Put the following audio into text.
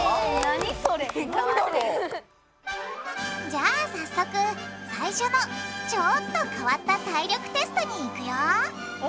じゃあ早速最初のちょっと変わった体力テストにいくよ！